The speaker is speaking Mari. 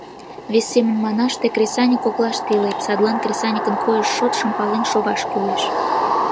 Вес семын манаш, тый кресаньык коклаште илет, садлан кресаньыкын койыш шотшым пален шогаш кӱлеш.